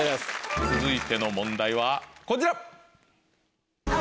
続いての問題はこちら。